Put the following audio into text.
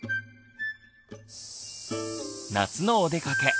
夏のおでかけ。